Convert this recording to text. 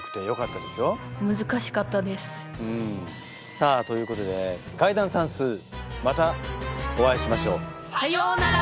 さあということで解談算数またお会いしましょう。さようなら！